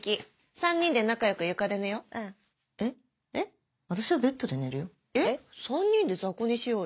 ３人で雑魚寝しようよ。